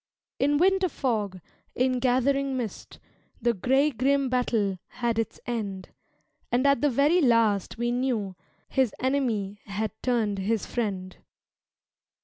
In winter fog, in gathering mist The gray grim battle had its end And at the very last we knew His enemy had turned his friend.